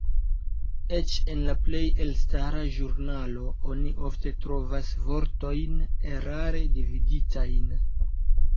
Eĉ en la plej elstara ĵurnalo oni ofte trovas vortojn erare dividitajn.